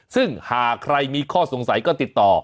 ซึ่งหากใครมีข้อสงสัยก็ติดต่อ